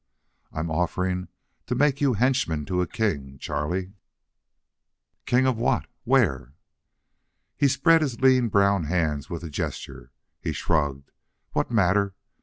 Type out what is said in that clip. "I'm offering to make you henchman to a king, Charlie." "King of what? Where?" He spread his lean brown hands with a gesture. He shrugged. "What matter?